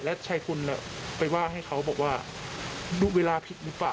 แล้วชายคุณไปว่าให้เขาบอกว่าดูเวลาผิดหรือเปล่า